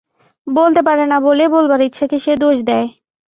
বলতে পারে না বলেই বলবার ইচ্ছাকে সে দোষ দেয়।